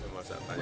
semua saya tanya